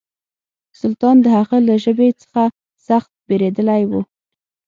سلطان د هغه له ژبې څخه سخت بېرېدلی و.